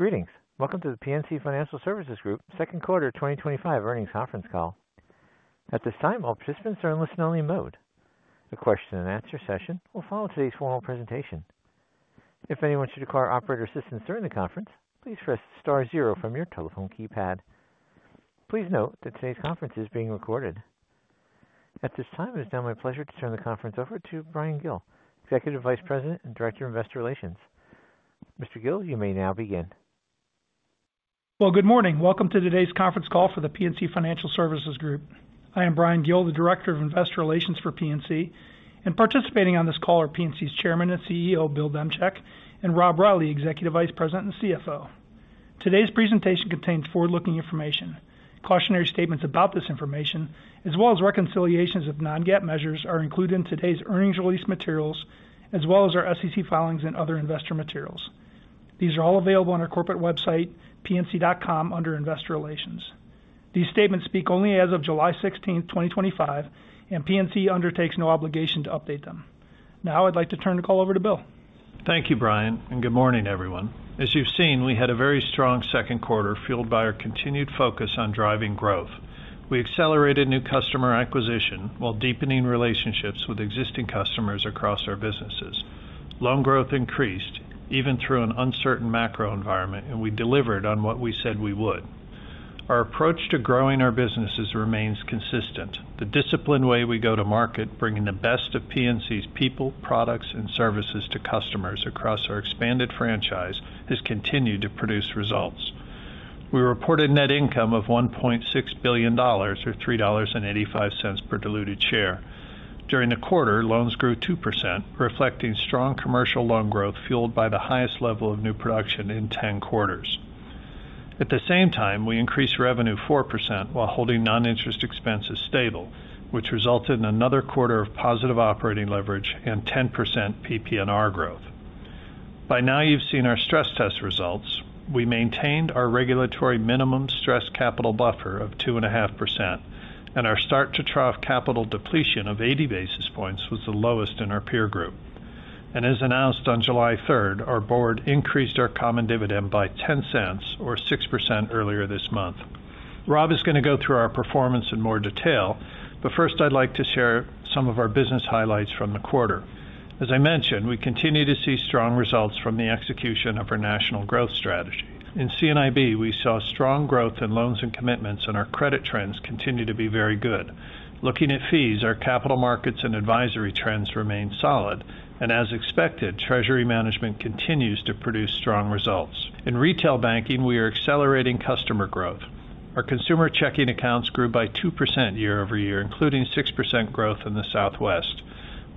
Greetings. Welcome to the PNC Financial Services Group second quarter 2025 earnings conference call. At this time all participants are in listen only mode. A question and answer session will follow today's formal presentation. If anyone should require operator assistance during the conference, please press Star zero from your telephone keypad. Please note that today's conference is being recorded at this time. It is now my pleasure to turn the conference over to Bryan Gill, Executive Vice President and Director of Investor Relations. Mr. Gill, you may now begin. Good morning. Welcome to today's conference call for The PNC Financial Services Group. I am Bryan Gill, the Director of Investor Relations for PNC, and participating on this call are PNC's Chairman and CEO Bill Demchak and Rob Reilly, Executive Vice President and CFO. Today's presentation contains forward looking information. Cautionary statements about this information, as well as reconciliations of non-GAAP measures, are included in today's earnings release materials as well as our SEC filings and other investor materials. These are all available on our corporate website pnc.com under Investor Relations. These statements speak only as of July 16, 2025, and PNC undertakes no obligation to update them. Now I'd like to turn the call over to Bill. Thank you, Brian, and good morning, everyone. As you've seen, we had a very strong second quarter fueled by our continued focus on driving growth. We accelerated new customer acquisition while deepening relationships with existing customers across our businesses. Loan growth increased even through an uncertain macro environment, and we delivered on what we said we would. Our approach to growing our businesses remains consistent. The disciplined way we go to market, bringing the best of PNC's people, products, and services to customers across our expanded franchise, has continued to produce results. We reported net income of $1.6 billion, or $3.85 per diluted share. During the quarter, loans grew 2%, reflecting strong commercial loan growth fueled by the highest level of new production in 10 quarters. At the same time, we increased revenue 4% while holding non-interest expenses stable, which resulted in another quarter of positive operating leverage and 10% PPNR growth. By now you've seen our stress test results. We maintained our regulatory minimum stress capital buffer of 2.5%, and our start to trough capital depletion of 80 basis points was the lowest in our peer group. As announced on July 3, our board increased our common dividend by 10 cents or 6% earlier this month. Rob is going to go through our performance in more detail, but first I'd like to share some of our business highlights from the quarter. As I mentioned, we continue to see strong results from the execution of our national growth strategy. In C&IB, we saw strong growth in loans and commitments, and our credit trends continue to be very good. Looking at fees. Our capital markets and advisory trends remain solid and as expected, treasury management continues to produce strong results. In retail banking, we are accelerating customer growth. Our consumer checking accounts grew by 2% year over year, including 6% growth in the Southwest.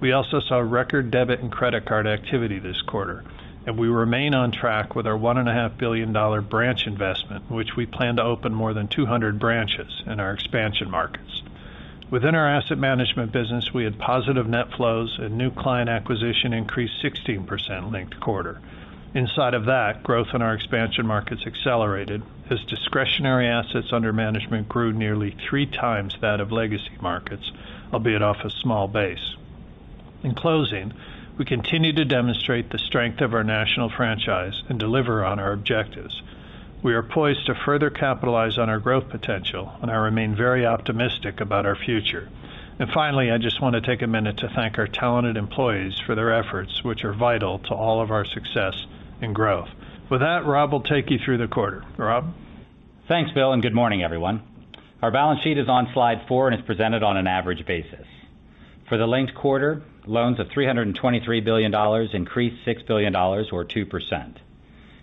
We also saw record debit and credit card activity this quarter and we remain on track with our $1.5 billion branch investment in which we plan to open more than 200 branches in our expansion markets. Within our asset management business, we had positive net flows and new client acquisition increased 16% linked quarter. Inside of that, growth in our expansion markets accelerated as discretionary assets under management grew nearly three times that of legacy markets, albeit off a small base. In closing, we continue to demonstrate the strength of our national franchise and deliver on our objectives. We are poised to further capitalize on our growth potential and I remain very optimistic about our future. Finally, I just want to take a minute to thank our talented employees for their efforts which are vital to all of our success and growth. With that, Rob will take you through the quarter. Rob, thanks, Bill, and good morning everyone. Our balance sheet is on slide 4 and is presented on an average basis for the linked quarter. Loans of $323 billion increased $6 billion or 2%.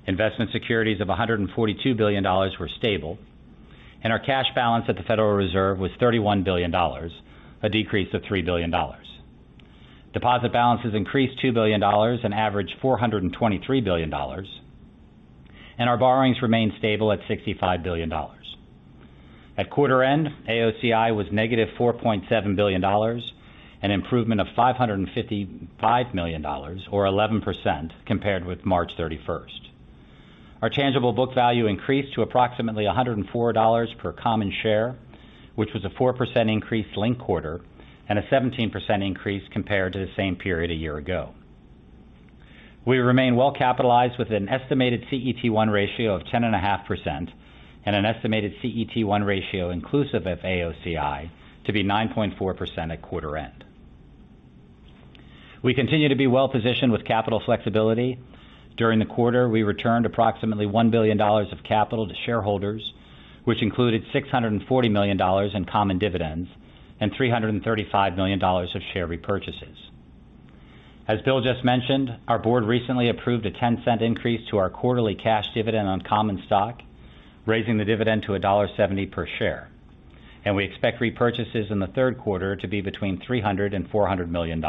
Investment securities of $142 billion were stable and our cash balance at the Federal Reserve was $31 billion, a decrease of $3 billion. Deposit balances increased $2 billion and averaged $423 billion. Our borrowings remain stable at $65 billion. At quarter end, AOCI was negative $4.7 billion, an improvement of $555 million or 11% compared with March 31. Our tangible book value increased to approximately $104 per common share, which was a 4% increase linked quarter and a 17% increase compared to the same period a year ago. We remain well capitalized with an estimated CET1 ratio of 10.5% and an estimated CET1 ratio inclusive of AOCI to be 9.4% at quarter end. We continue to be well positioned with capital flexibility. During the quarter, we returned approximately $1 billion of capital to shareholders, which included $640 million in common dividends and $335 million of share repurchases. As Bill just mentioned, our board recently approved a 10 cent increase to our quarterly cash dividend on common stock, raising the dividend to $1.70 per share and we expect repurchases in the third quarter to be between $300 million and $400 million.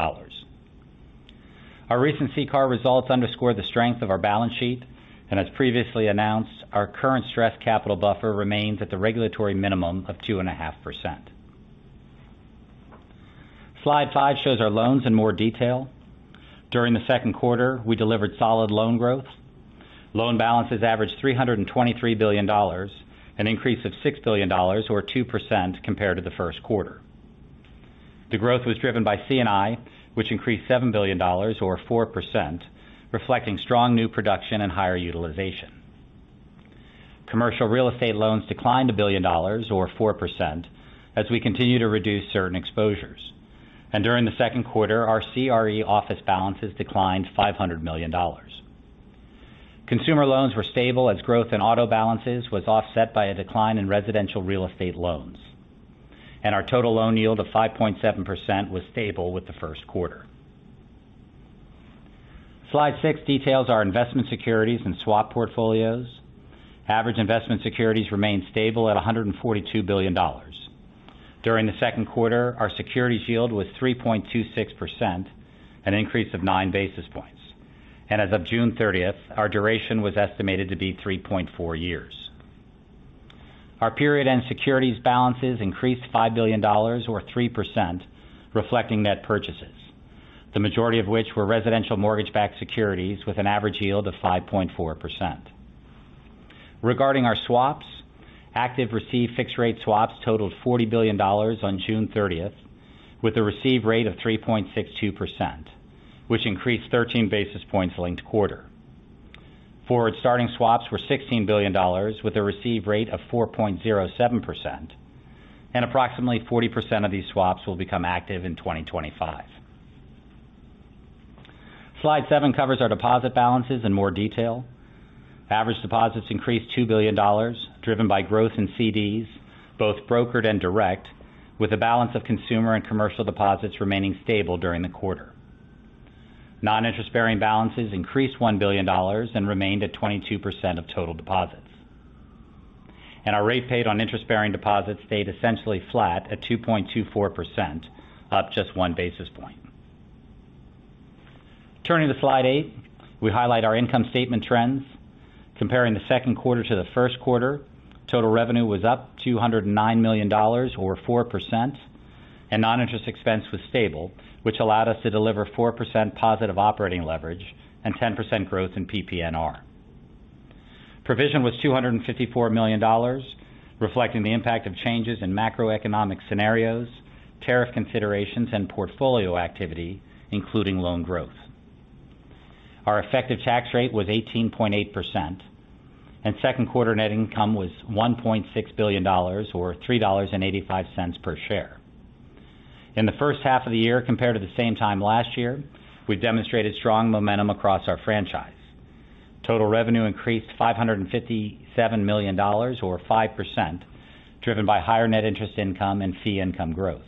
Our recent CCAR results underscore the strength of our balance sheet and as previously announced, our current stressed capital buffer remains at the regulatory minimum of 2.5%. Slide 5 shows our loans in more detail. During the second quarter we delivered solid loan growth. Loan balances averaged $323 billion, an increase of $6 billion or 2% compared to the first quarter. The growth was driven by CNI which increased $7 billion or 4% reflecting strong new production and higher utilization. Commercial real estate loans declined $1 billion or 4% as we continue to reduce certain exposures and during the second quarter our CRE office balances declined $500 million. Consumer loans were stable as growth in auto balances was offset by a decline in residential real estate loans and our total loan yield of 5.7% was stable with the first quarter. Slide 6 details our investment securities and swap portfolios. Average investment securities remained stable at $142 billion during the second quarter. Our securities yield was 3.26%, an increase of 9 basis points, and as of June 30th our duration was estimated to be 3.4 years. Our period end securities balances increased $5 billion or 3% reflecting net purchases, the majority of which were residential mortgage-backed securities with an average yield of 5.4%. Regarding our swaps, active received fixed rate swaps totaled $40 billion on June 30 with a receive rate of 3.62% which increased 13 basis points linked quarter forward. Starting swaps were $16 billion with a receive rate of 4.07% and approximately 40% of these swaps will become active in 2025. Slide 7 covers our deposit balances in more detail. Average deposits increased $2 billion driven by growth in CDs both brokered and direct, with the balance of consumer and commercial deposits remaining stable during the quarter. Non-interest-bearing balances increased $1 billion and remained at 22% of total deposits and our rate paid on interest-bearing deposits stayed essentially flat at 2.24%, up just 1 basis point. Turning to Slide 8, we highlight our income statement trends comparing the second quarter to the first quarter. Total revenue was up $209 million or 4% and non-interest expense was stable, which allowed us to deliver 4% positive operating leverage and 10% growth in PPNR. Provision was $254 million, reflecting the impact of changes in macroeconomic scenarios, tariff considerations, and portfolio activity including loan growth. Our effective tax rate was 18.8% and second quarter net income was $1.6 billion or $3.85 per share. In the first half of the year, compared to the same time last year, we've demonstrated strong momentum across our franchise. Total revenue increased $557 million or 5%, driven by higher net interest income and fee income growth.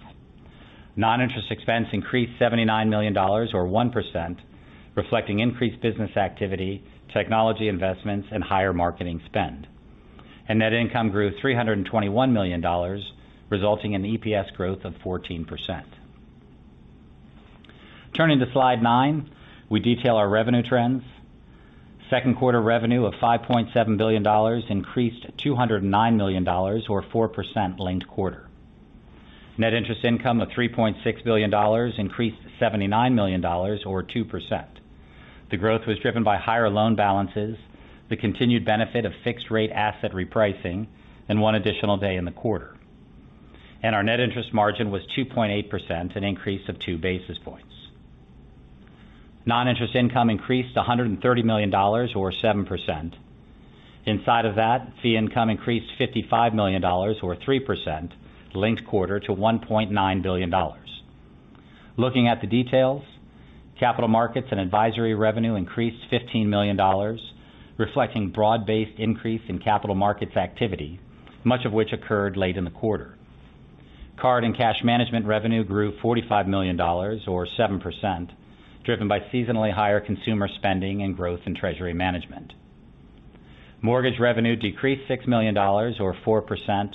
Non interest expense increased $79 million or 1% reflecting increased business activity, technology investments and higher marketing spend, and net income grew $321 million resulting in EPS growth of 14%. Turning to Slide 9, we detail our revenue trends. Second quarter revenue of $5.7 billion increased $209 million or 4% linked quarter. Net interest income of $3.6 billion increased $79 million or 2%. The growth was driven by higher loan balances, the continued benefit of fixed rate asset repricing and one additional day in the quarter, and our net interest margin was 2.8%, an increase of 2 basis points. Non interest income increased $130 million or 7%. Inside of that, fee income increased $55 million or 3% linked quarter to $1.9 billion. Looking at the details, capital markets and advisory revenue increased $15 million reflecting broad based increase in capital markets activity, much of which occurred late in the quarter. Card and cash management revenue grew $45 million or 7% driven by seasonally higher consumer spending and growth in treasury management. Mortgage revenue decreased $6 million or 4%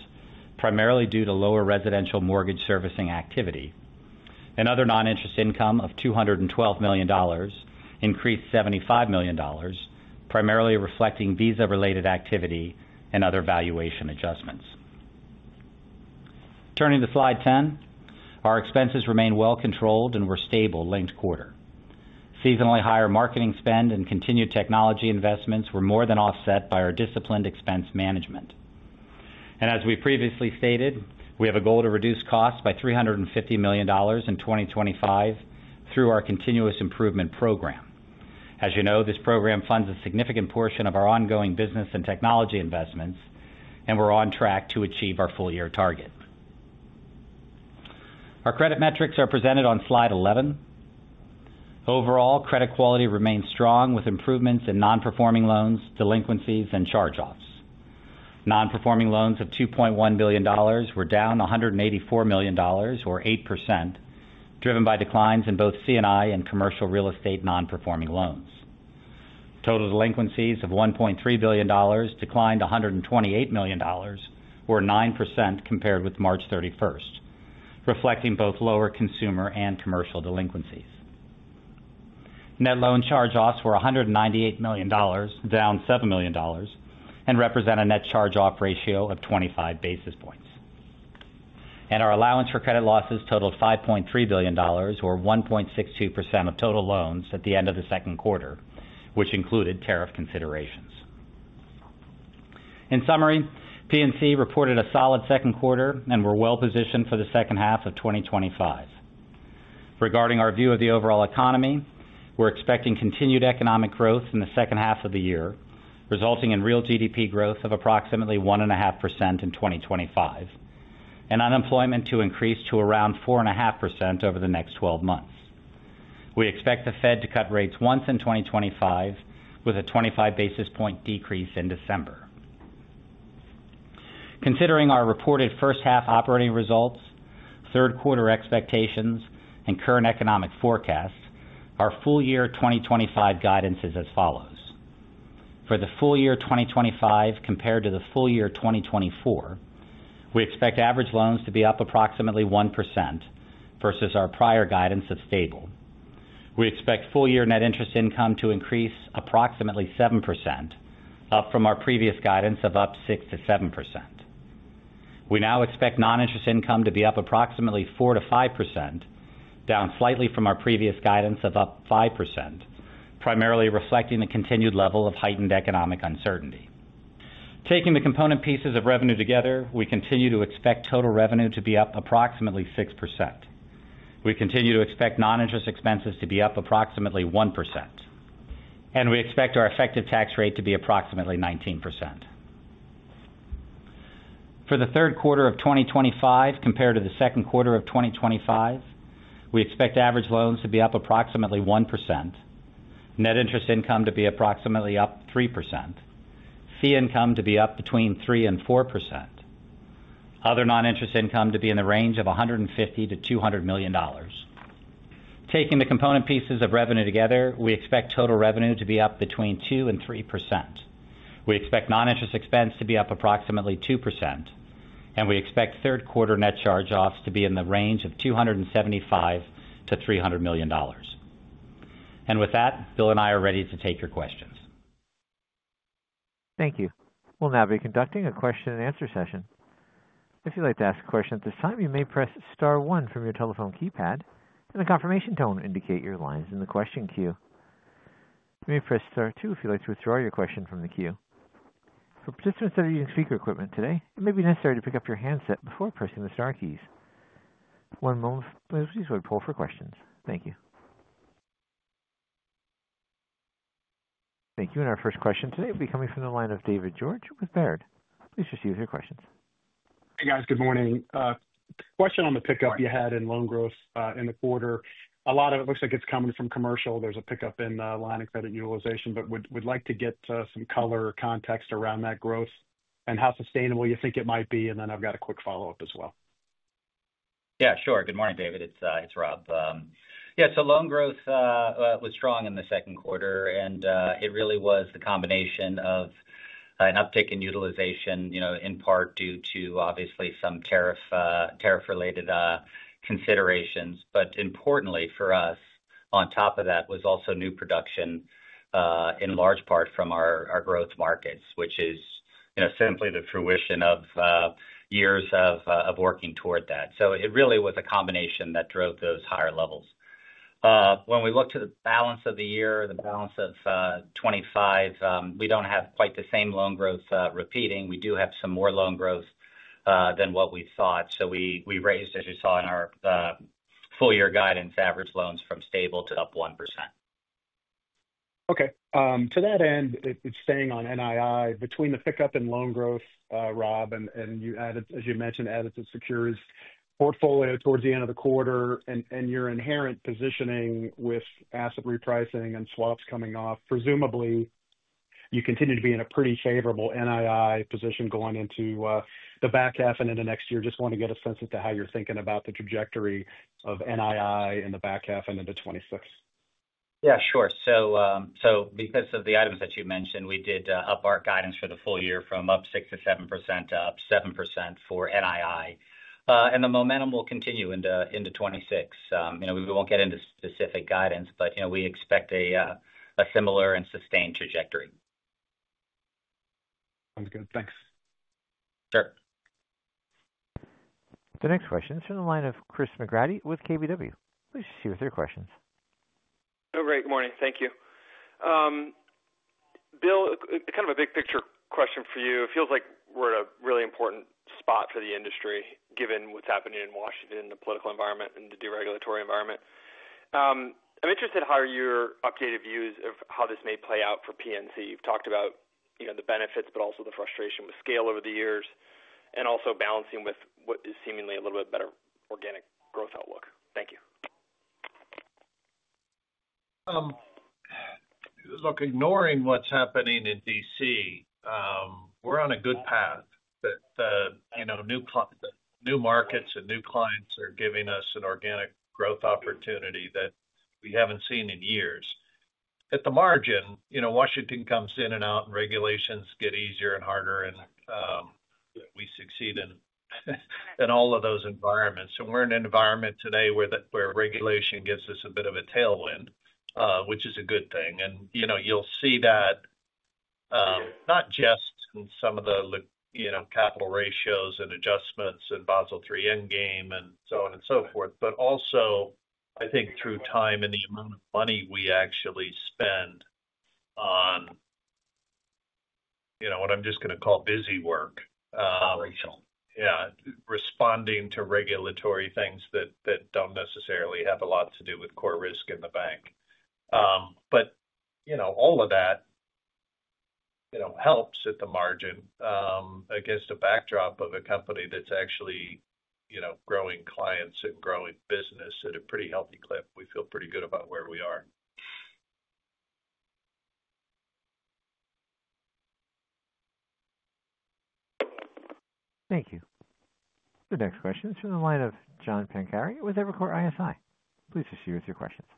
primarily due to lower residential mortgage servicing activity and other non-interest income of $212 million increased $75 million primarily reflecting Visa related activity and other valuation adjustments. Turning to Slide 10, our expenses remain well controlled and were stable linked quarter. Seasonally higher marketing spend and continued technology investments were more than offset by our disciplined expense management. As we previously stated, we have a goal to reduce costs by $350 million in 2025 through our continuous improvement program. As you know, this program funds a significant portion of our ongoing business and technology investments and we're on track to achieve our full year target. Our credit metrics are presented on Slide 11. Overall credit quality remains strong with improvements in non-performing loans, delinquencies, and charge-offs. Non-performing loans of $2.1 billion were down $184 million or 8%, driven by declines in both C&I and commercial real estate non-performing loans. Total delinquencies of $1.3 billion declined $128 million or 9% compared with March 31, reflecting both lower consumer and commercial delinquencies. Net loan charge-offs were $198 million, down $7 million, and represent a net charge-off ratio of 25 basis points. Our allowance for credit losses totaled $5.3 billion, or 1.62% of total loans at the end of the second quarter, which included tariff considerations. In summary, PNC reported a solid second quarter and we're well positioned for the second half of 2025. Regarding our view of the overall economy, we're expecting continued economic growth in the second half of the year, resulting in real GDP growth of approximately 1.5% in 2025 and unemployment to increase to around 4.5% over the next 12 months. We expect the Fed to cut rates once in 2025 with a 25 basis point decrease in December. Considering our reported first half operating results, third quarter expectations and current economic forecasts, our full year 2025 guidance is as follows. For the full year 2025 compared to the full year 2024, we expect average loans to be up approximately 1% versus our prior guidance of stable. We expect full year net interest income to increase approximately 7%, up from our previous guidance of up 6-7%. We now expect non interest income to be up approximately 4-5%, down slightly from our previous guidance of up 5%, primarily reflecting the continued level of heightened economic uncertainty. Taking the component pieces of revenue together, we continue to expect total revenue to be up approximately 6%, we continue to expect non interest expenses to be up approximately 1% and we expect our effective tax rate to be approximately 19%. For The third quarter of 2025 compared to the second quarter of 2025. We expect average loans to be up approximately 1%, net interest income to be approximately up 3%, fee income to be up between 3% and 4%, other non interest income to be in the range of $150-$200 million. Taking the component pieces of revenue together, we expect total revenue to be up between 2% and 3%, we expect non interest expense to be up approximately 2%, and we expect third quarter net charge offs to be in the range of $275-$300 million. With that, Bill and I are ready to take your questions. Thank you. We'll now be conducting a question and answer session. If you'd like to ask a question at this time, you may press star one from your telephone keypad and the confirmation tone will indicate your line is in the question queue. You may press star two if you'd like to withdraw your question from the queue. For participants that are using speaker equipment today, it may be necessary to pick up your handset before pressing the star keys. One moment please. Poll for questions. Thank you. Thank you. Our first question today will be coming from the line of David George with Baird. Please receive your questions. Hey guys, good morning. Question on the pickup you had in loan growth in the quarter. A lot of it looks like it's coming from commercial. There is a pickup in line of credit utilization but would like to get some color or context around that growth and how sustainable you think it might be. I have a quick follow up as well. Yeah, sure. Good morning David, it's Rob. Yeah, so loan growth was strong in the second quarter and it really was the combination of an uptick in utilization, you know, in part due to obviously some tariff related considerations. Importantly for us, on top of that was also new production in large part from our growth markets which is, you know, simply the fruition of years of working toward that. It really was a combination that drove those higher levels. When we look to the balance of the year, the balance of 2025, we do not have quite the same loan growth repeating. We do have some more loan growth than what we thought. So we raised, as you saw in our full year guidance, average loans from stable to up 1%. Okay.To that end, it's staying on NII between the pickup in loan growth. Rob, and you added, as you mentioned, added to securities portfolio towards the end of the quarter and your inherent positioning with asset repricing and swaps coming off. Presumably, you continue to be in a pretty favorable NII position going into the back half and into next year. Just want to get a sense as to how you're thinking about the trajectory of NII in the back half and into 2026. Yeah, sure. Because of the items that you. Mentioned, we did up our guidance for the full year from up 6-7% to up 7% for NII and the momentum will continue into 2026. You know, we won't get into specific guidance but you know we expect a similar and sustained trajectory. Sounds good, thanks. Sure. The next question is from the line of Chris McGratty with KBW. Please proceed with your questions. Oh, great morning. Thank you. Bill. Kind of a big picture question for you. It feels like we're at a really important spot for the industry given what's. Happening in Washington, the political environment and the deregulatory environment. I'm interested how are your updated views of how this may play out for PNC. You've talked about the benefits, but also the frustration with scale over the years. Also balancing with what is seemingly. A little bit better organic growth outlook. Thank you. Look, ignoring what's happening in D.C. we're on a good path that, you know, new markets and new clients are giving us an organic growth opportunity that we haven't seen in years at the margin, you know, Washington comes in and out and regulations get easier and harder and we succeed in all of those environments. We are in an environment today where regulation gives us a bit of a tailwind, which is a good thing. You know, you'll see that not just in some of the, you know, capital ratios and adjustments and Basel III endgame and so on and so forth, but also I think through time and the amount of money we actually spend on. You know, what, I'm just going. To call busy work. Yeah. Responding to regulatory things that do not necessarily have a lot to do with core risk in the bank. All of that helps at the margin. Against a backdrop of a company that is actually growing clients and growing business at a pretty healthy clip, we feel pretty good about where we are. Thank you. The next question is from the line of John Pancari with Evercore ISI. Please proceed with your questions.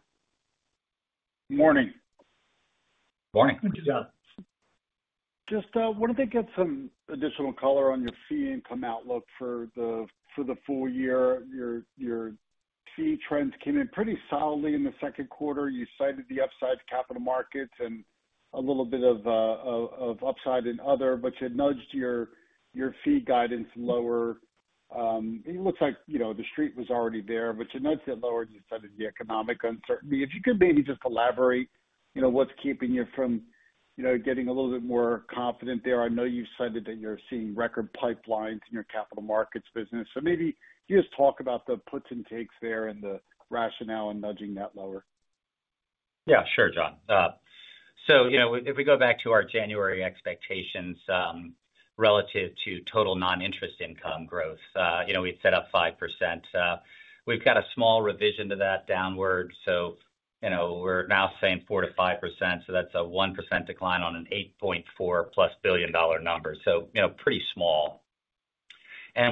Morning. Morning. Just wanted to get some additional color on your fee income outlook for the full year. Your fee trends came in pretty solidly in the second quarter. You cited the upside to capital markets and a little bit of upside in other. You nudged your fee guidance lower. It looks like the street was already there. You nudged it lower. You said the economic uncertainty. If you could maybe just elaborate what's keeping you from getting a little bit more confident there? I know you cited that you're seeing record pipelines in your capital markets business. Maybe you just talk about the puts and takes there and the rationale in nudging that lower. Yeah, sure, John. So, you know, if we go back to our January expectations relative to total non-interest income growth, you know, we set up 5%, we've got a small revision to that downward. You know, we're now saying 4-5%. That's a 1% decline on an $8.4 billion-plus number. You know, pretty small.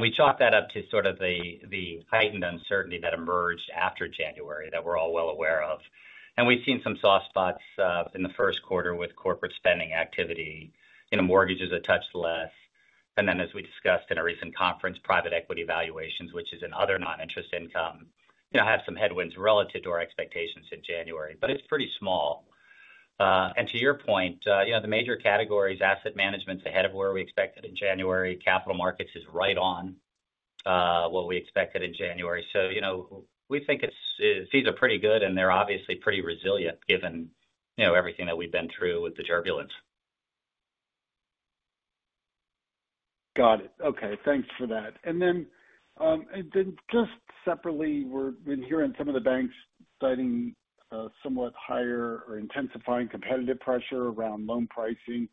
We chalk that up to sort. Of the heightened uncertainty that emerged after January that we're all well aware of. We have seen some soft spots in the first quarter with corporate spending activity, and mortgage is a touch less, and then as we discussed in a recent conference, private equity valuations, which is another non-interest income, you know, have some headwinds relative to our expectations in January, but it's pretty small. To your point, you know, the major categories, asset management's ahead of where we expected in January. Capital markets is right on what we expected in January. You know, we think it's fees. Are pretty good and they're obviously pretty resilient given, you know, everything that we've been through with the turbulence. Got it. Okay, thanks for that. Just separately, we're hearing some of the banks citing somewhat higher or intensifying competitive pressure around loan pricing.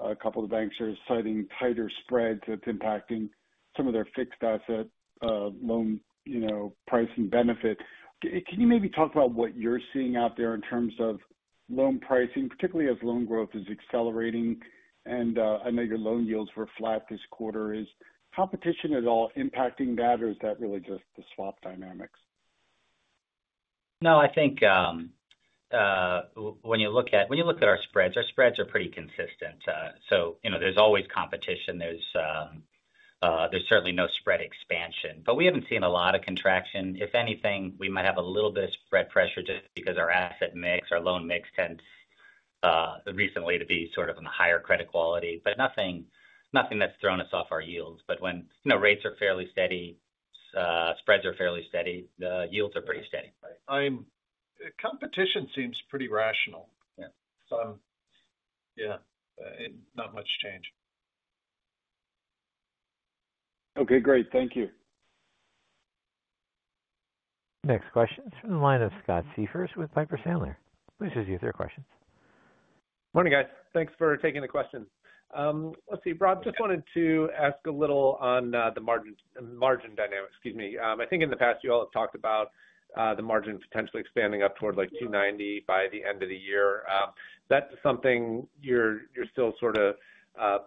A couple of the banks are citing tighter spreads. That's impacting some of their fixed asset loan pricing benefit. Can you maybe talk about what you're seeing out there in terms of loan pricing, particularly as loan growth is accelerating and I know your loan yields were flat this quarter. Is competition at all impacting that or is that really just the swap dynamics? No, I think. When you look at our spreads, our spreads are pretty consistent. You know, there's always competition. There's certainly no spread expansion, but we haven't seen a lot of contraction. If anything, we might have a little bit of spread pressure just because our asset mix, our loan mix tends recently to be sort of on the higher credit quality. Nothing that's thrown us off our yields. When rates are fairly steady, spreads are fairly steady, the yields are pretty steady. Competition seems pretty rational. Yeah, not much change. Okay, great, thank you. Next question is from the line of Scott Siefers with Piper Sandler. Please review your questions. Morning guys. Thanks for taking the question. Let's see. Rob, just wanted to ask a little on the margin dynamics. Excuse me. I think in the past you all have talked about the margin potentially expanding up toward like 290 by the end of the year. That's something you're still sort of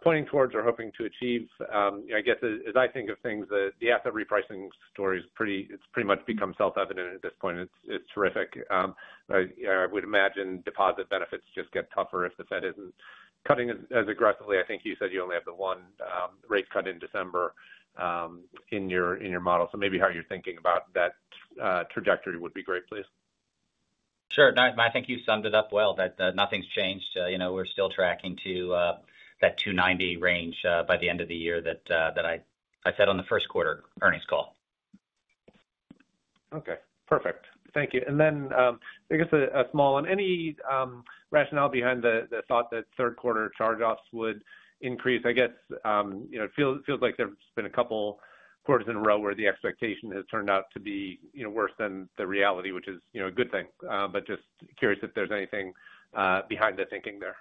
pointing towards or hoping to achieve. I guess as I think of things, the asset repricing story is pretty, it's pretty much become self evident at this point. It's terrific. I would imagine deposit benefits just get tougher if the Fed isn't cutting as aggressively. I think you said you only have the 1 rate cut in December in your model, so maybe how you're thinking about that trajectory would be great. Please. Sure. I think you summed it up well, that nothing's changed. You know, we're still tracking to that $290 range by the end of the year that I said on the first quarter earnings call. Okay, perfect. Thank you. I guess a small one. Any rationale behind the thought that third quarter charge-offs would increase? I guess it feels like there's been a couple quarters in a row where the expectation has turned out to be worse than the reality, which is a good thing. Just curious if there's anything behind the thinking there.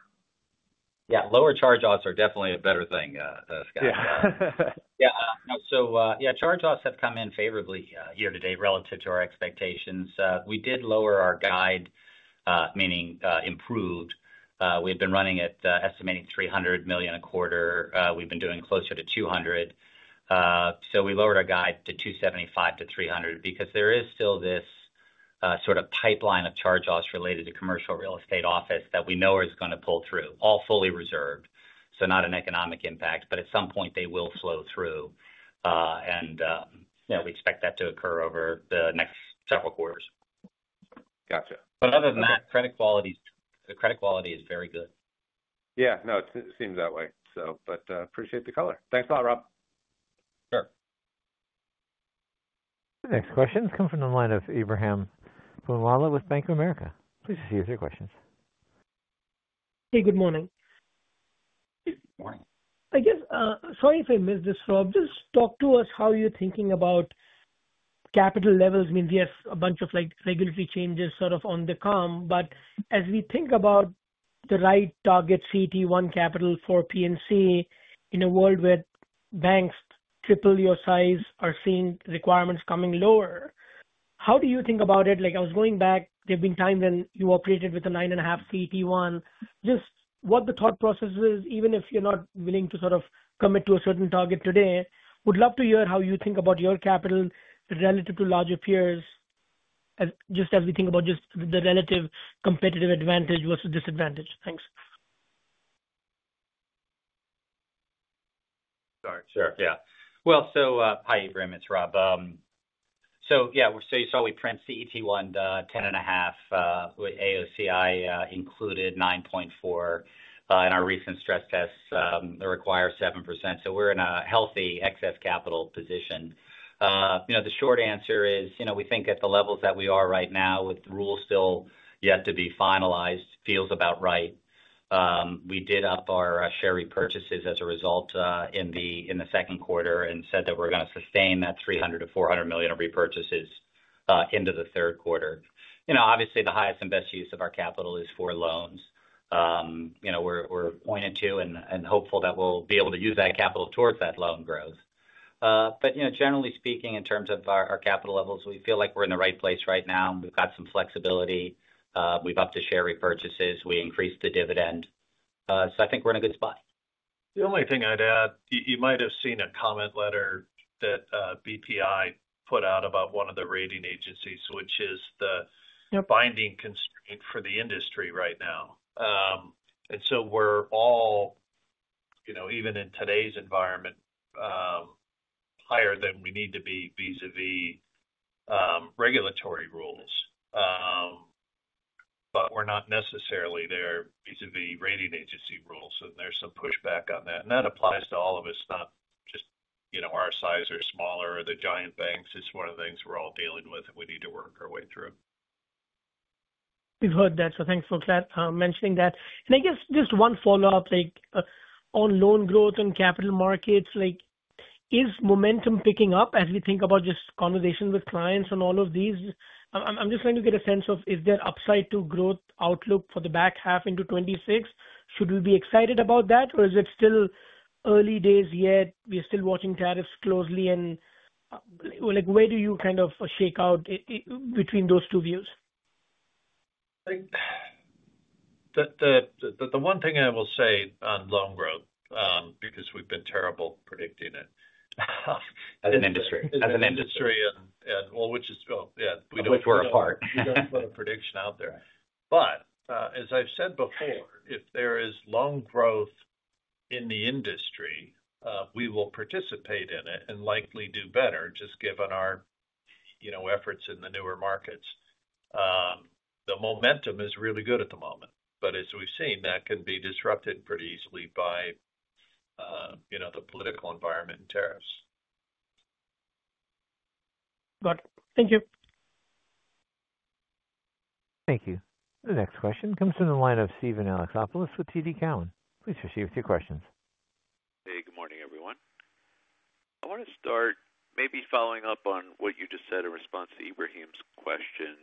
Yeah, lower charge-offs are definitely a better thing, Scott. Yeah, charge offs have come in. Favorably year to date relative to our expectations. We did lower our guide, meaning improved. We had been running at estimating $300 million a quarter. We've been doing closer to $200 million. We lowered our guide to $275 million-$300 million because there is still this sort of pipeline of charge-offs related to commercial real estate office that we know is going to pull through. All fully reserved. Not an economic impact, but at some point they will flow through and we expect that to occur over the next several quarters. Gotcha. Other than that, the credit quality is very good. Yeah, no, it seems that way. So.Appreciate the color. Thanks a lot, Rob. The next questions come from the line of Ebrahim Poonawala with Bank of America. Please proceed with your questions. Hey, good morning. I guess. Sorry if I missed this. Rob, just talk to us how you're thinking about capital levels. Means, yes, a bunch of like regulatory changes sort of on the calm. But as we think about the right target CET1 capital for PNC in a world where banks triple your size are seeing requirements coming lower. How do you think about it? Like I was going back. There have been times when you operated with a 9.5 CET1. Just what the thought process is. Even if you're not willing to sort of commit to a certain target today, would love to hear how you think about your capital relative to larger peers, just as we think about just the relative competitive advantage versus disadvantage. Thanks. All right. Sure. Yeah. Hi, Ebrahim, it's Rob. Yeah, you saw we print. CET1 10.5. AOCI included 9.4 in our recent stress tests that require 7%. So we're in a healthy excess capital position. You know, the short answer is, you know, we think at the levels that we are right now with the rules still yet to be finalized. Feels about right. We did up our share repurchases as a result in the, in the second quarter and said that we're going to sustain that $300 million-$400 million of repurchases into the third quarter. You know, obviously the highest and best. Use of our capital is for loans. You know, we're pointed to and hopeful that we'll be able to use that capital towards that loan growth. You know, generally speaking, in terms. Of our capital levels, we feel like. We're in the right place right now. We've got some flexibility. We've upped the share repurchases, we increased the dividend. I think we're in a good spot. The only thing I'd add, you might have seen a comment letter that BPI put out about one of the rating agencies, which is the binding constraint for the industry right now. We're all, you know, even in today's environment, higher than we need to be vis a vis regulatory rules. We're not necessarily there vis a vis rating agency rules. There's some pushback on that. That applies to all of us, not just, you know, our size or smaller or the giant banks. It's one of the things we're all dealing with and we need to work our way through. We've heard that. Thanks for mentioning that. I guess just one follow-up, like on loan growth and capital markets, is momentum picking up as we think about just conversation with clients on all of these? I'm just trying to get a sense of is there upside to growth outlook for the back half into 2026. Should we be excited about that, or is it still early days yet? We are still watching tariffs closely. Where do you kind of shake out between those two views? The one thing I will say on loan growth because we've been terrible predicting it as an industry. As an industry, which is where our prediction out there. But as I've said before, if there is loan growth in the industry, we will participate in it and likely do better just given our, you know, efforts in the newer markets. The momentum is really good at the moment, but as we've seen that can be disrupted pretty easily by, you know, the political environment and tariffs. Got it. Thank you. Thank you. The next question comes from the line of Steve Alexopoulos with TD Cowen. Please proceed with your questions. Hey, good morning everyone. I want to start maybe following up on what you just said in response to Ebrahim's question.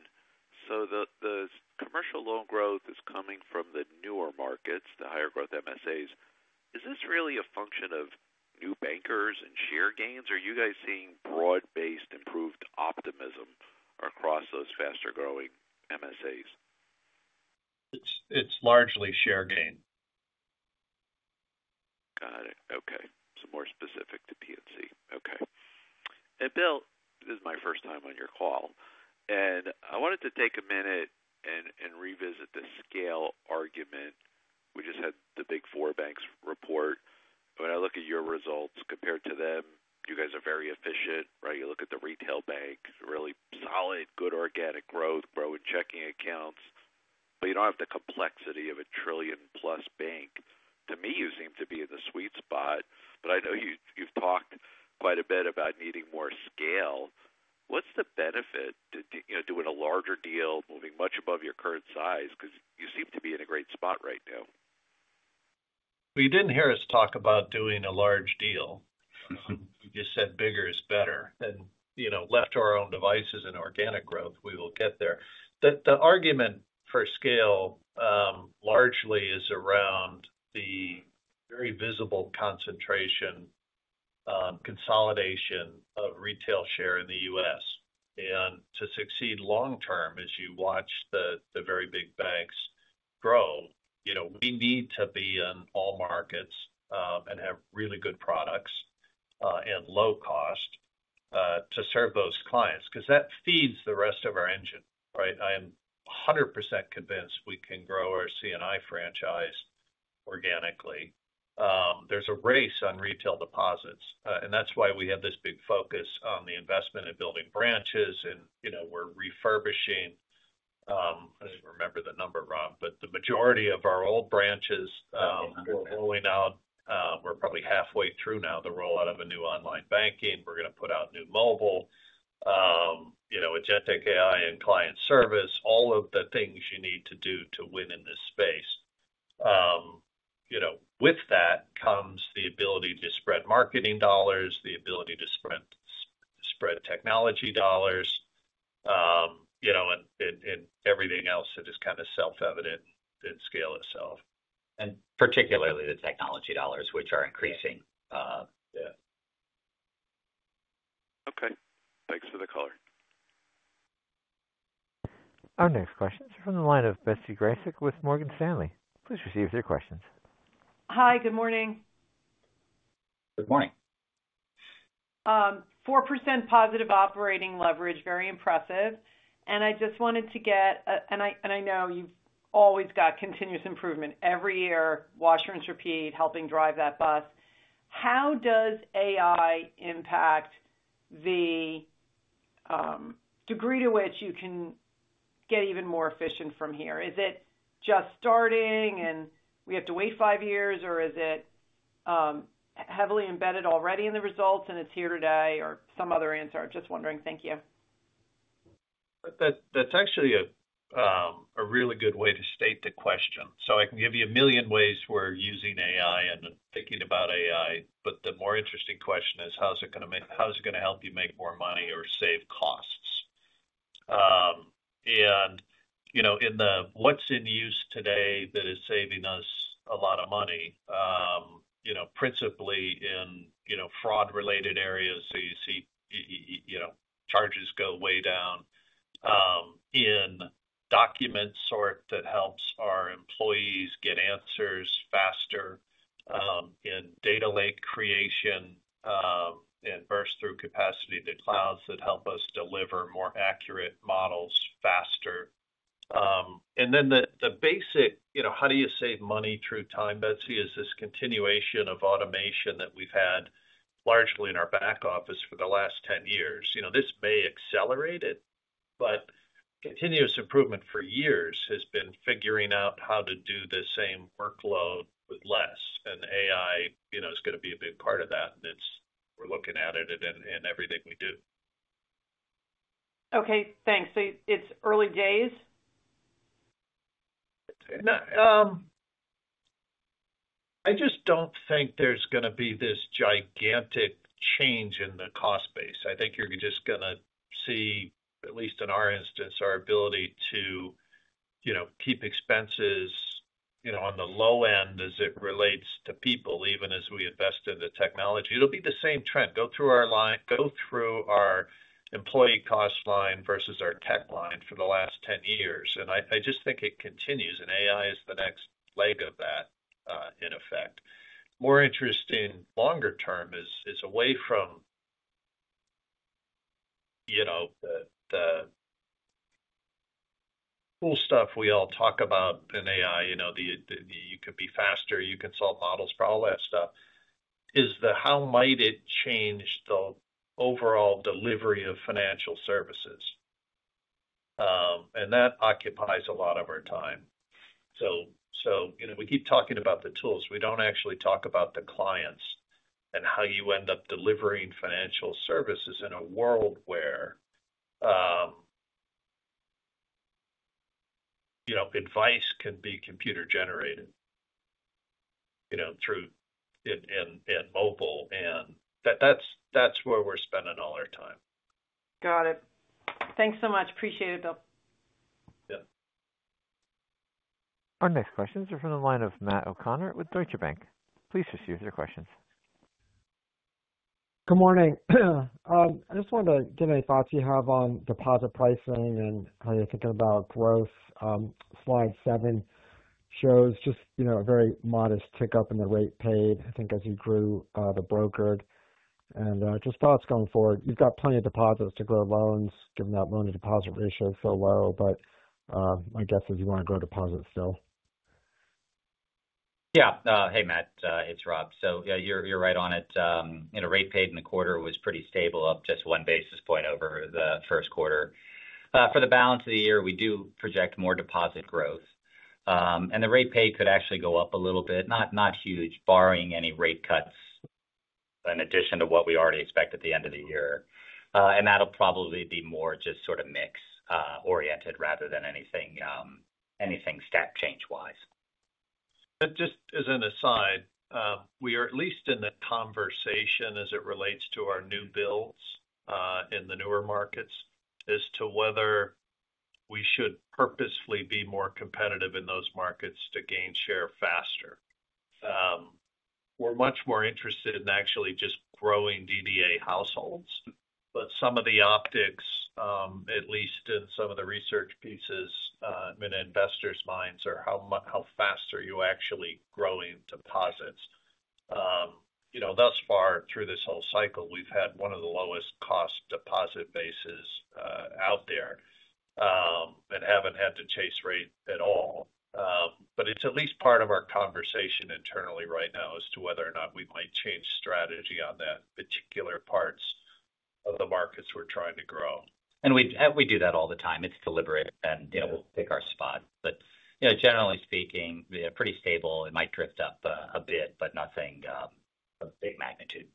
The commercial loan growth is coming from the newer markets. The higher growth MSAs, is this really.A function of new bankers and share gains? Are you guys seeing broad-based improvement. Optimism across those faster growing MSAs? It's largely share gain. Got it. Okay. Some more specific to PNC. Okay. Bill, this is my first time. On your call and I wanted to. Take a minute and revisit the scale argument. We just had the big four banks report. When I look at your results compared to them, you guys are very efficient, right? You look at the retail bank, really. Solid, good organic growth, grow in checking accounts, but you don't have the complexity. Of a trillion plus bank. To me you seem to be in the sweet spot. I know you've talked quite a. Bit about needing more scale. What's the benefit to doing a larger deal, moving much above your current size? Because you seem to be in a great spot right now. You did not hear us talk about doing a large deal. You said bigger is better and left to our own devices and organic growth, we will get there. The argument for scale largely is around the very visible concentration, consolidation of retail share in the U.S. and to succeed long term, as you watch the very big banks grow, we need to be in all markets and have really good products and low cost to serve those clients because that feeds the rest of our engineers. Right. I am 100% convinced we can grow our CNI franchise organically. There is a race on retail deposits and that is why we have this big focus on the investment in building branches. You know, we are refurbishing. I do not remember the number, Rob, but the majority of our old branches rolling out, we are probably halfway through now the roll out of a new online banking. We are going to put out new mobile, you know, a GenTech AI and client service. All of the things you need to do to win in this space. You know, with that comes the ability to spread marketing dollars, the ability to spread technology dollars, you know, and everything else that is kind of self evident. At scale itself and particularly the technology dollars, which are increasing. Okay, thanks for the color. Our next questions are from the line of Betsy Grasek with Morgan Stanley. Please receive your questions. Hi, good morning. Good morning. 4% positive operating leverage. Very impressive. I just wanted to get, and. I know you've always got continuous improvement. Every year, wash and repeat helping drive that bus. How does AI impact the degree to which you can get even more efficient from here? Is it just starting and we have. To wait five years or is it? Heavily embedded already in the results. It's here today or some other answer. I'm just wondering. Thank you. That's actually a really good way to state the question. I can give you a million ways we're using AI and thinking about AI, but the more interesting question is how's it going to make, how's it going to help you make more money or save costs and you know, in the what's in use today that is saving us a lot of money, you know, principally in, you know, fraud related areas. You see charges go way down in document sort that helps our employees get answers faster in data lake creation and burst through capacity to clouds that help us deliver more accurate models faster. The basic, you know, how do you save money through time, Betsy, is this continuation of automation that we've had largely in our back office for the last 10 years. This may accelerate it, but continuous improvement for years has been figuring out how to do the same workload with less, and AI is going to be a big part of that, and we're looking at it in everything we do. Okay, thanks. It's early days. I just don't think there's going to. Be this gigantic change in the cost base. I think you're just going to see at least in our instance our ability to keep expenses on the low end as it relates to people even as we invest in the technology. It'll be the same trend go through our employee cost line versus our tech line for the last 10 years. I just think it continues and AI is the next leg of that. In effect, more interesting longer term is away from, you know, the cool stuff we all talk about in AI. You know, the you can be faster, you can solve models for all that stuff is the how might it change the overall delivery of financial services? That occupies a lot of our time. We keep talking about the tools, we do not actually talk about the clients and how you end up delivering financial services in a world where, you know, advice can be computer generated, you know, through and mobile. That is where we are spending all our time. Got it. Thanks so much. Appreciate it, Bill. Our next questions are from the line of Matt O'Connor with Deutsche Bank. Please proceed with your questions. Good morning. I just wanted to get any thoughts you have on deposit pricing and how you're thinking about growth. Slide 7 shows just a very modest tick up in the rate paid I think as you grew the brokered and just thoughts going forward. You've got plenty of deposits to grow loans given that loan to deposit ratio so low. My guess is you want to grow deposits still. Yeah. Hey Matt, it's Rob. You're right on it. Rate paid in the quarter was pretty stable. Up just one basis point over the. First quarter for the balance of the. Year, we do project more deposit growth and the rate pay could actually go up a little bit. Not huge, barring any rate cuts in addition to what we already expect at the end of the year. That'll probably be more just sort of mix oriented rather than anything step change wise. Just as an aside, we are at least in the conversation as it relates to our new builds in the newer markets as to whether we should purposefully be more competitive in those markets to gain share faster. We're much more interested in actually just growing DDA households. Some of the optics, at least in some of the research pieces in investors' minds, are how fast are you actually growing deposits? You know, thus far through this whole cycle we've had one of the lowest cost deposit bases out there that have not had to chase rates at all. It is at least part of our conversation internally right now as to whether or not we might change strategy on that particular part of the markets. We're trying to grow and we do. That all the time, it's deliberate and we'll pick our spot but generally speaking pretty stable. It might drift up a bit, but nothing of big magnitude.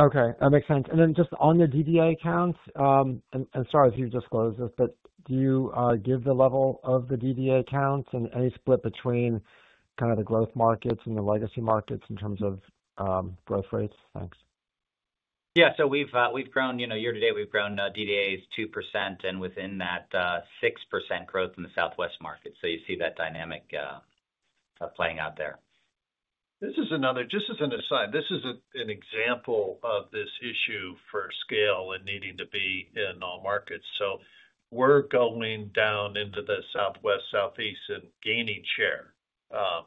Okay, that makes sense. Just on the DDI accounts. Sorry if you disclosed this, but do you give the level of the DDA accounts and any split between kind of the growth markets and the legacy markets in terms of growth rates? Thanks. Yeah, so we've grown, you know. Year to date we've grown DDA's 2% and within that 6% growth in the Southwest market. You see that dynamic playing out there. This is another, just as an aside, this is an example of this issue for scale and needing to be in all markets. So we're going down into the Southwest, Southeast and gaining share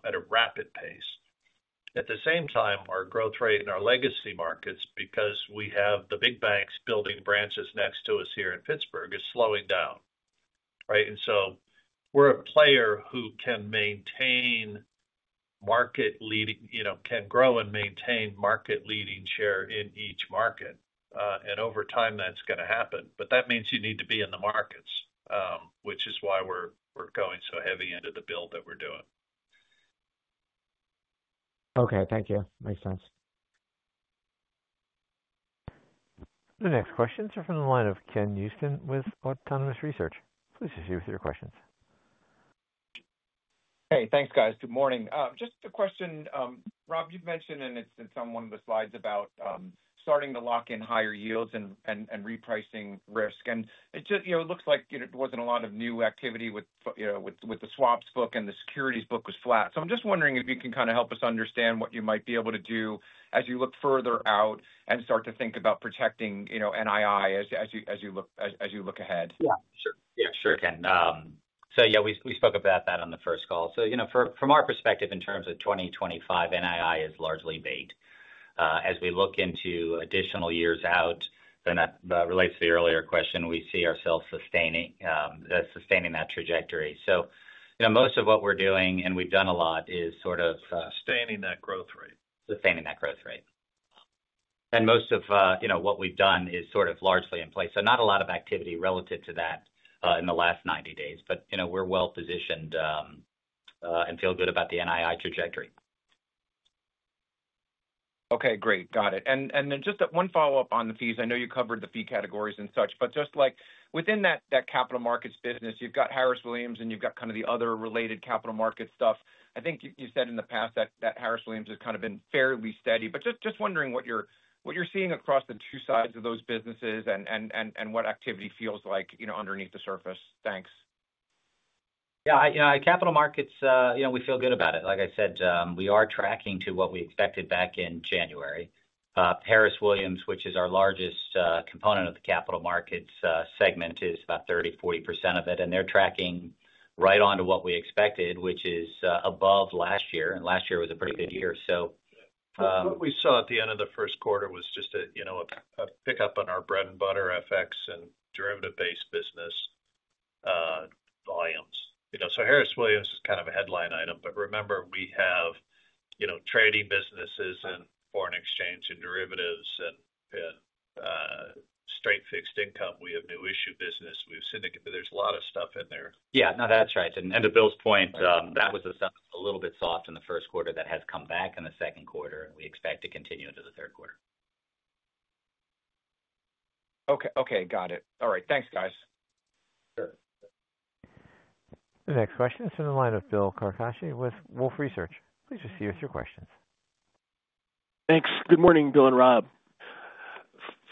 at a rapid pace. At the same time our growth rate in our legacy markets, because we have the big banks building branches next to us here in Pittsburgh, is slowing down. Right. We're a player who can maintain market leading, you know, can grow and maintain market leading share in each market. Over time that's going to happen. That means you need to be in the markets which is why we're going so heavy into the build that we're doing. Okay. Thank you. Makes sense. The next questions are from the line of Ken Houston with Autonomous Research. Please proceed with your questions. Hey, thanks guys. Good morning. Just a question, Rob, you've mentioned and it's on one of the slides about starting to lock in higher yields and repricing risk and it just, you know, it looks like there wasn't a lot of new activity with, you know, with the swaps book and the securities book was flat. I'm just wondering if you can kind of help us understand what you might be able to do as you look further out and start to think about protecting, you know, NII as you, as you look, as you look ahead. Yeah, sure. Yeah, sure can. Yeah, we spoke about that on the first call. You know, from our perspective in. Terms of 2025, NII is largely bait. As we look into additional years out and that relates to the earlier question, we see ourselves sustaining, sustaining that trajectory. You know, most of what we're doing and we've done a lot is. Sort of sustaining that growth rate. Sustaining that growth rate. Most of, you know, what we've done is sort of largely in place. Not a lot of activity relative to that in the last 90 days. You know, we're well positioned and feel good about the NII trajectory. Okay, great. Got it. And then just one follow up on the fees. I know you covered the fee categories and such, but just like within that capital markets business, you've got Harris Williams and you've got kind of the other related capital market stuff. I think you said in the past that Harris Williams has kind of been fairly steady, but just wondering what you're seeing across the two sides of those businesses and what activity feels like underneath the surface. Thanks. Yeah, capital markets, we feel good about it. Like I said, we are tracking to what we expected back in January. Harris Williams, which is our largest component of the capital markets segment, is about 30-40% of it. And they're tracking right onto what we expected, which is above last year. And last year was a pretty good year. What we saw at the end of the first quarter was just a pickup on our bread and butter FX and derivative based business volumes. Harris Williams is kind of a headline item. Remember, we have trading businesses and foreign exchange and derivatives and straight fixed income. We have new issue business we have syndicated. There is a lot of stuff in there. Yeah, no, that's right. To Bill's point, that was a little bit soft in the first quarter. That has come back in the second quarter and we expect to continue into the third quarter. Okay, got it. All right, thanks guys. The next question is on the line of Bill Karcashi with Wolfe Research. Please receive us your questions. Thanks. Good morning, Bill and Rob,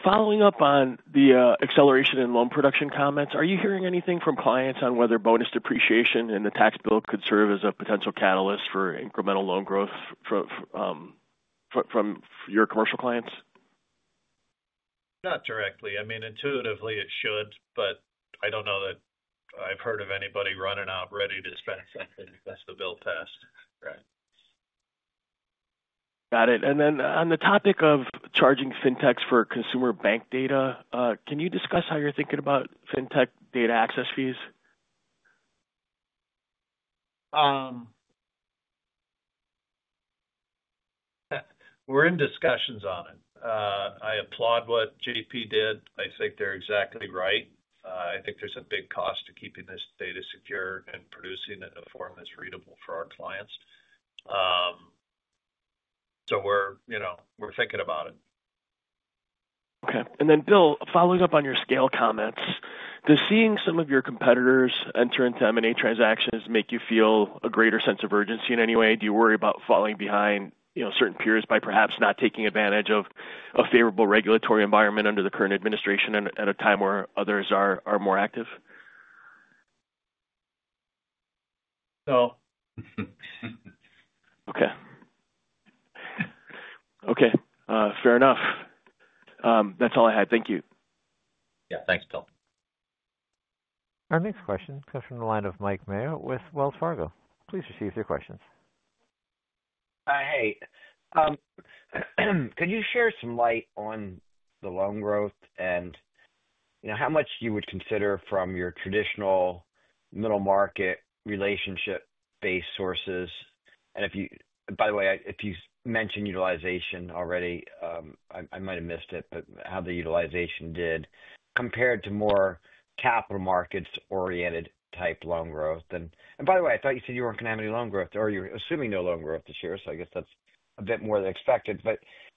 following up on the acceleration in loan production. Comments. Are you hearing anything from clients on whether bonus depreciation in the tax bill? Could serve as a potential catalyst for incremental loan growth. From your commercial clients? Not directly. I mean intuitively it should, but I don't know that I've heard of anybody running out ready to spend something as the bill passed. Right. Got it. Then on the topic of charging. Fintechs for consumer bank data, can you discuss how you're thinking about fintech data access fees? We're in discussions on it. I applaud what JPMorgan Chase did. I think they're exactly right. I think there's a big cost to keeping this data secure and producing it in a form that's readable for our clients. So we're, you know, we're thinking about it. Okay. Bill, following up on your. Scale comments, does seeing some of your. Competitors enter into M&A transaction. Make you feel a greater sense of urgency in any way? Do you worry about falling behind certain peers by perhaps not taking advantage of a favorable regulatory environment under the current administration at a time where others are more active? Okay. Okay, fair enough. That's all I had. Thank you. Yeah, thanks Bill. Our next question comes from the line of Mike Mayo with Wells Fargo. Please proceed with your questions. Hey. Could you share some light on the loan growth and how much you would consider from your traditional middle market relationship based sources? If you, by the way, if you mentioned utilization already I might have missed it, but how the utilization did compared to more capital markets oriented type loan growth. By the way, I thought you. Said you weren't going to have any. Loan growth or you're assuming no loan growth this year. I guess that's a bit more than expected.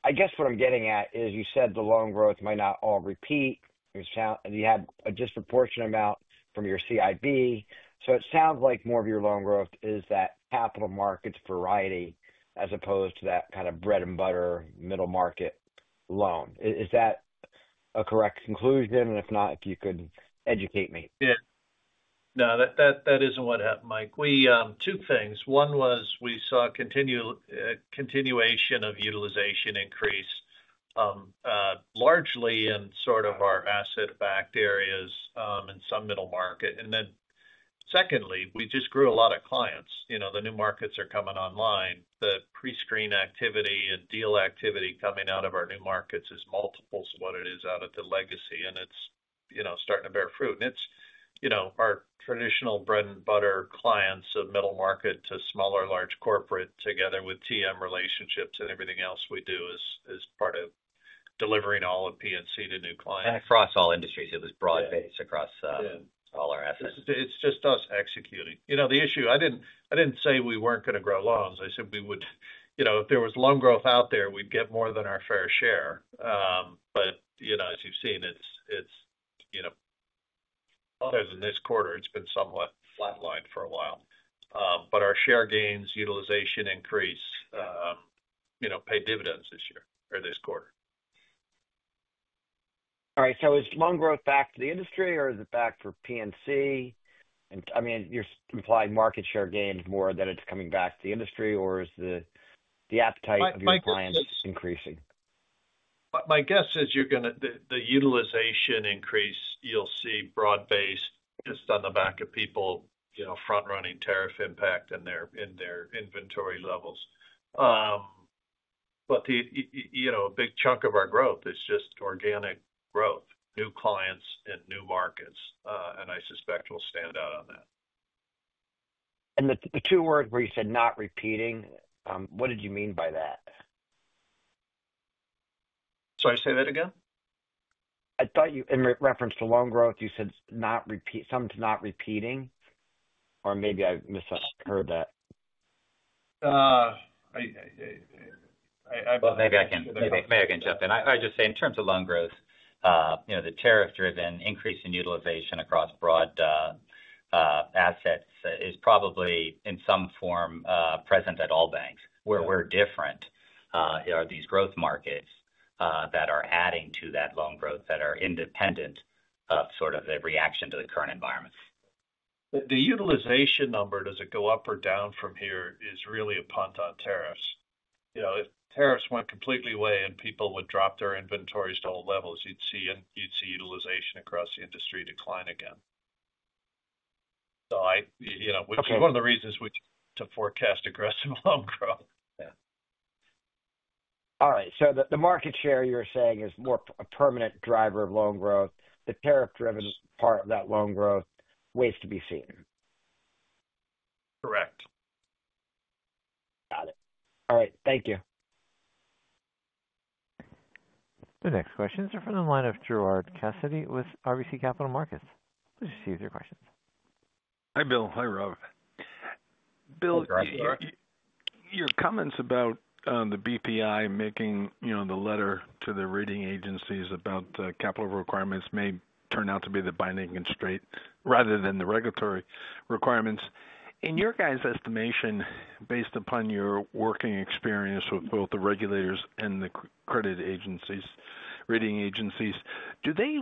I guess what I'm getting at is you said the loan growth might not all repeat and you had a disproportionate amount from your CIB. It sounds like more of your loan growth is that capital markets variety as opposed to that kind of bread and butter middle market loan. Is that a correct conclusion? If not, if you could educate me. No, that isn't what happened. Mike. Two things. One was we saw continuation of utilization increase largely in sort of our asset-backed areas in some middle market. Then secondly, we just grew a lot of clients. You know, the new markets are coming online. The pre-screen activity and deal activity coming out of our new markets is multiples of what it is out at the legacy and it's, you know, starting to bear fruit. And it's, you know, our traditional bread and butter clients of middle market to small or large corporate together with TM relationships and everything else we do is part of delivering all of PNC to new clients. Across all industries it was broad based across all our assets. It's just us executing, you know, the issue. I didn't say we weren't going to grow loans. I said we would, you know, if there was loan growth out there, we'd get more than our fair share. You know, as you've seen, other than this quarter, it's been somewhat flatlined for a while. Our share gains, utilization increase, you know, paid dividends this year or this quarter. All right, so is loan growth back to the industry or is it back for PNC? I mean you're implying market share gains more than it's coming back to the industry or is the appetite of your clients increasing? My guess is you're going to the utilization increase. You'll see broad based just on the back of people, you know, front running tariff impact in their inventory levels. You know, a big chunk of our growth is just organic growth. New clients in new markets and I suspect will stand out on that. The two words where you said not repeating, what did you mean by that? Sorry, say that again. I thought you, in reference to loan growth, you said not repeat something, not repeating or maybe I miscarried that. Maybe I can jump in. I'd just say in terms of loan. Growth, you know, the tariff-driven increase in utilization across broad assets is probably in some form present at all banks. Where different are these growth markets that are adding to that loan growth that are independent of sort of the reaction to the current environment. The utilization number, does it go up or down from here is really a punt on tariffs. You know, if tariffs went completely away and people would drop their inventories to all levels, you'd see and you'd see utilization across the industry decline again. So I, you know, which is one of the reasons we to forecast aggressive loan growth. Yeah. All right, so the market share you're saying is more a permanent driver of loan growth, the tariff driven part of that loan growth, ways to be seen. Correct. Got it. All right, thank you. The next questions are from the line of Gerard Cassidy with RBC Capital Markets. Please receive your questions. Hi Bill. Hi Rob. Bill, your comments about the BPI making. You know, the letter to the rating agencies about capital requirements may turn out to be the binding constraint rather than the regulatory requirements in your guys' estimation based upon your working experience with both the regulators and the credit agencies. Rating agencies, do they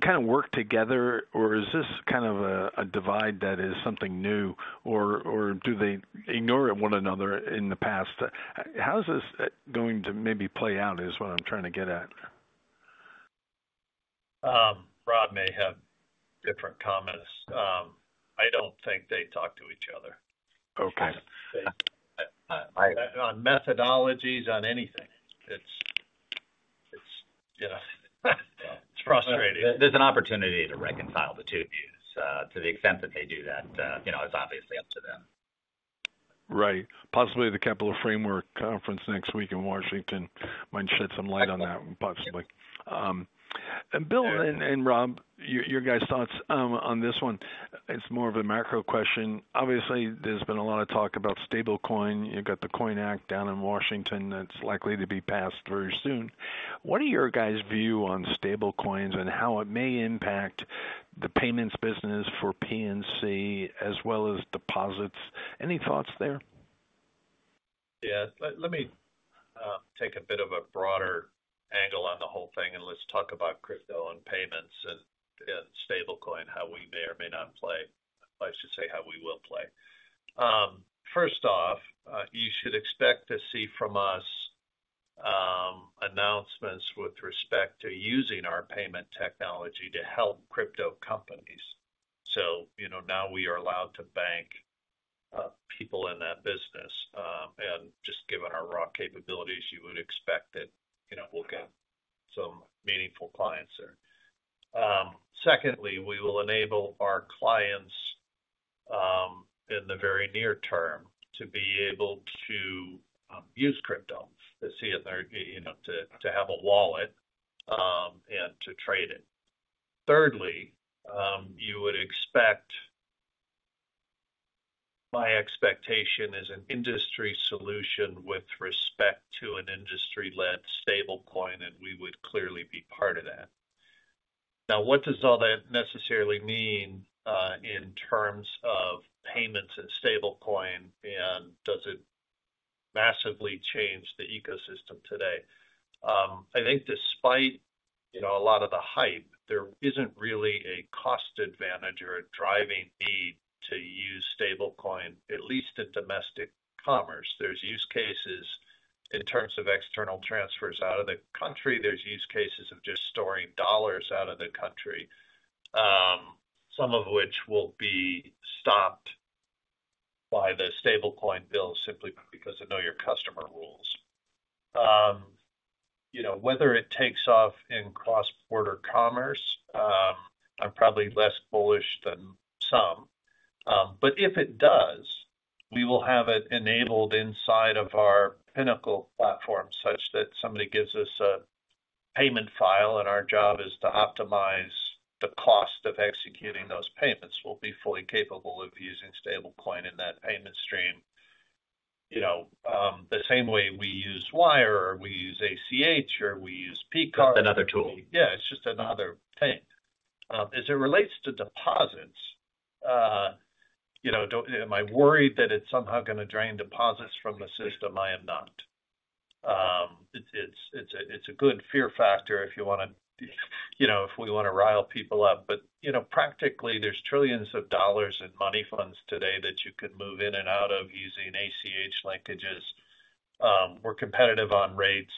kind of work together or is this kind of a divide that is something new, or do they ignore one another in the past? How is this going to maybe play out is what I'm trying to get at. Rob may have different comments. I don't think they talk to each other, okay. On methodologies, on anything. It's, it's, you know, it's frustrating. There's an opportunity to reconcile the two views. To the extent that they do that, you know, it's obviously up to them. Right. Possibly the Capital Framework Conference next week in Washington might shed some light on that. Possibly. Bill and Rob, your guys' thoughts on this one? It's more of a macro question. Obviously there's been a lot of talk about stablecoin. You've got the COIN Act down in Washington that's likely to be passed very soon. What are your guys' view on stablecoins and how it may impact the payments business for PNC as well as deposits? Any thoughts there? Yes. Let me take a bit of a broader angle on the whole thing and let's talk about crypto and payments and stablecoin. How we may or may not play, I should say how we will play. First off, you should expect to see from us announcements with respect to using our payment technology to help crypto companies. So, you know, now we are allowed to bank people in that business and just given our raw capabilities you would expect that, you know, we'll get some meaningful clients there. Secondly, we will enable our clients in the very near term to be able to use crypto to see if they're, you know, to have a wallet and to trade it. Thirdly, you would expect my expectation is an industry solution with respect to an industry led stablecoin and we would clearly be part of that. Now what does all that necessarily mean in terms of payments and stablecoin and does it massively change the ecosystem today? I think despite, you know, a lot of the hype, there isn't really a cost advantage or a driving need to use stablecoin, at least in domestic commerce. There's use cases in terms of external transfers out of the country. There's use cases of just storing dollars out of the country, some of which will be stopped by the stablecoin bill simply because they know your customer rules. You know, whether it takes off in cross border commerce I'm probably less bullish than some. If it does, we will have it enabled inside of our Pinnacle platform such that somebody gives us a payment file and our job is to optimize the cost of executing those payments. We will be fully capable of using stablecoin in that payment stream, you know, the same way we use wire or we use ACH or we use PNC. Another tool. Yeah, it's just another thing as it relates to deposits. You know, am I worried that it's somehow going to drain deposits from the system? I am not. It's a good fear factor if you want to, you know, if we want to rile people up. But you know, practically there's trillions of dollars in money funds today that you could move in and out of using ACH link. We're competitive on rates.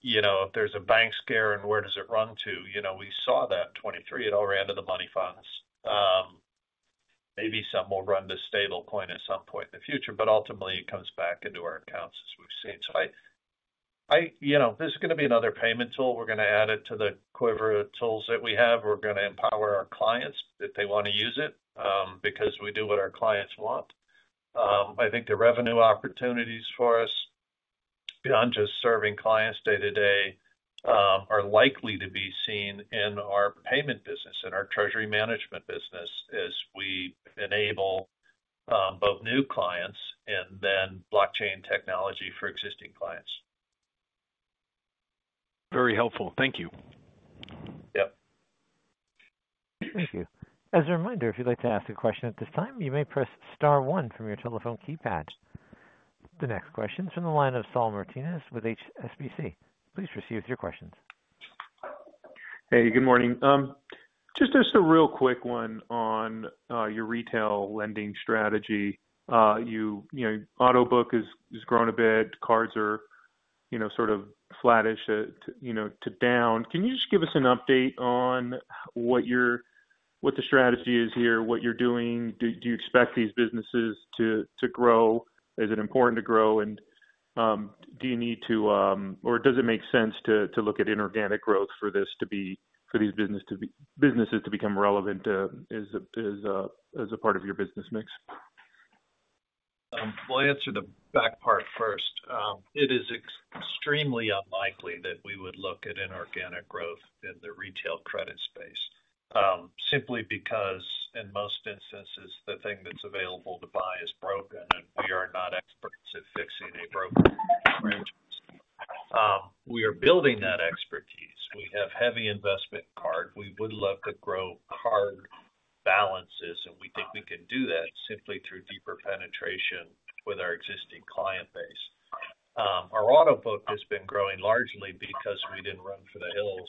You know, if there's a bank scare and where does it run to? You know, we saw that 2023, it all ran to the money funds. Maybe some will run to stablecoin at some point in the future, but ultimately it comes back into our accounts, as we've seen. I, you know, this is going to be another payment tool. We're going to add it to the quiver of tools that we have. We're going to empower our clients that they want to use it because we do what our clients want. I think the revenue opportunities for us beyond just serving clients day to day are likely to be seen in our payment business, in our treasury management business, as we enable both new clients and then blockchain technology for existing clients. Very helpful, thank you. Yep. Thank you. As a reminder, if you'd like to ask a question at this time, you may press Star one from your telephone keypad. The next question is from the line of Saul Martinez with HSBC. Please proceed with your questions. Hey, good morning. Just a real quick one on your retail lending strategy. Auto book has grown a bit. Cards are sort of flattish, you know, to down. Can you just give us an update on what your, what the strategy is here, what you're doing? Do you expect these businesses to grow? Is it important to grow and do you need to or does it make sense to look at inorganic growth for this to be, for these businesses to become relevant as a part of your business mix. I'll answer the back part first. It is extremely unlikely that we would look at inorganic growth in the retail credit space simply because in most instances the thing that's available to buy is broken. We are not experts at fixing a broken franchise. We are building that expertise. We have heavy investment card, we would love to grow card balances and we think we can do that simply through deeper penetration with our existing client base. Our auto book has been growing largely because we did not run for the hills,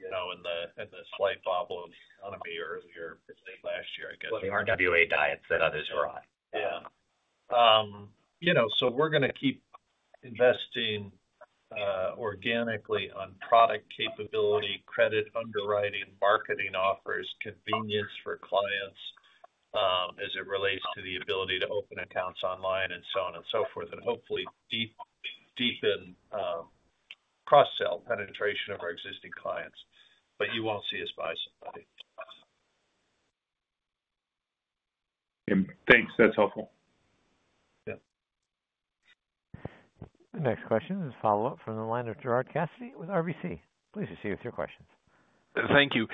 you know, in the slight bobble of economy earlier last year, I guess. The RWA diets that others are on. Yeah, you know, so we're going to keep investing organically on product capability, credit underwriting, marketing offers, convenience for clients as it relates to the ability to open accounts online and so on and so forth, and hopefully deepen cross sell penetration of our existing clients. But you won't see us buy somebody. Thanks, that's helpful. The next question is a follow-up from the line of Gerard Cassidy with RBC. Please proceed with your questions. Thank you.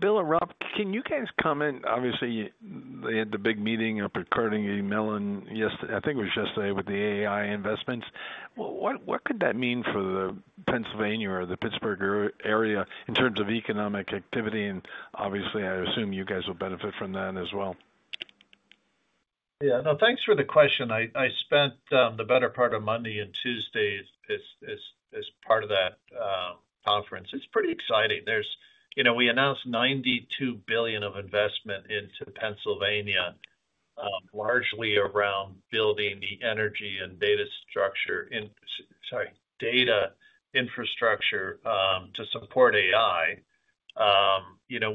Bill and Rob, can you guys comment? Obviously they had the big meeting up at Carnegie Mellon, I think it was yesterday with the AI investments. What could that mean for the Pennsylvania or the Pittsburgh area in terms of economic activity? Obviously I assume you guys will benefit from that as well. Yeah, no, thanks for the question. I spent the better part of Monday and Tuesday as part of that conference. It's pretty exciting. There's, you know, we announced $92 billion of investment into Pennsylvania largely around building the energy and data infrastructure to support AI. You know,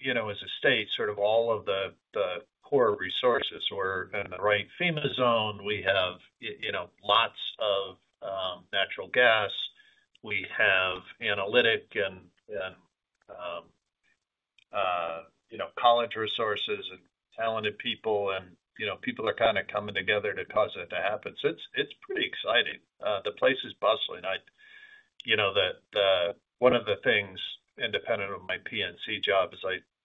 we have, you know, as a state, sort of all of the core resources, we're in the right FEMA zone. We have, you know, lots of natural gas, we have analytic and. You know. College resources and talented people and you know, people are kind of coming together to cause it to happen. It is pretty exciting. The place is bustling, you know that one of the things independent of my PNC job is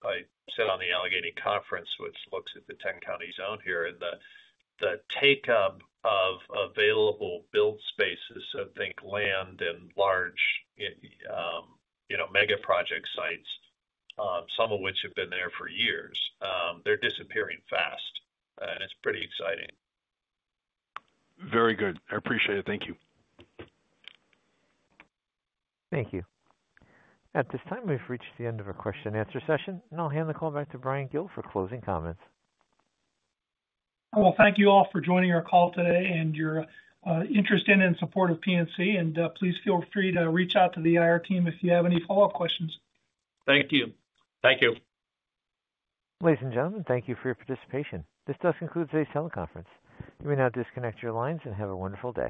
I sit on the Allegheny Conference which looks at the 10 county zone here and the take up of available build spaces. Think land and large mega project sites, some of which have been there for years, they are disappearing fast and it is pretty exciting. Very good. I appreciate it. Thank you. Thank you. At this time we've reached the end of our question and answer session and I'll hand the call back to Bryan Gill for closing comments. Thank you all for joining our call today and your interest in and support of PNC. Please feel free to reach out to the IR team if you have any follow up questions. Thank you. Thank you ladies and gentlemen. Thank you for your participation. This does conclude today's teleconference. You may now disconnect your lines and have a wonderful day.